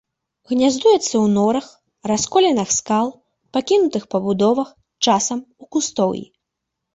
Гняздуюцца ў норах, расколінах скал, пакінутых пабудовах, часам у кустоўі.